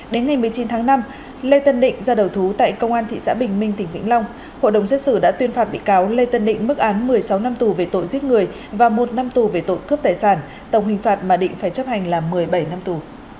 đến ngày một mươi chín tháng năm lê tân định ra đầu thú tại công an thị xã bình minh tỉnh vĩnh long hội đồng xét xử đã tuyên phạt bị cáo lê tân định mức án một mươi sáu năm tù về tội giết người và một năm tù về tội cướp tài sản tổng hình phạt mà định phải chấp hành là một mươi bảy năm tù